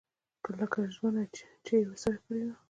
لکه ژمنه چې یې ورسره کړې وه.